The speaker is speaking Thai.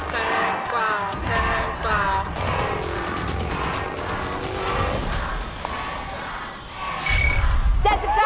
แพงกว่าแพงกว่า